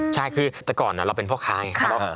ใช่คือแต่ก่อนเราเป็นพ่อค้าไงครับ